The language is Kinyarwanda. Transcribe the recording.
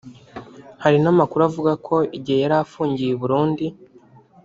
Hari n’amakuru avuga ko igihe yari afungiye i Burundi